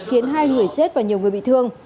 khiến hai người chết và nhiều người bị thương